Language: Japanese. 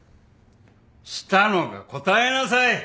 したのか答えなさい！